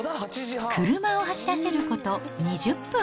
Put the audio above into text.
車を走らせること２０分。